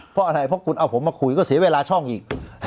เพราะอะไรเพราะคุณเอาผมมาคุยก็เสียเวลาช่องอีก